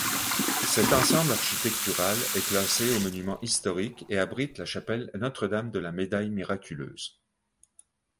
Cet ensemble architectural est classé aux monuments historiques et abrite la chapelle Notre-Dame-de-la-Médaille-miraculeuse.